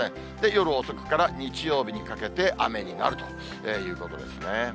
夜遅くから日曜日にかけて雨になるということですね。